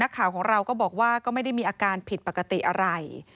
ข่าวของเราก็บอกว่าก็ไม่ได้มีอาการผิดปกติอะไร